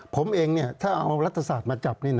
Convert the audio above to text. ผมเองถ้าเอารัฐศาสตร์มาจับ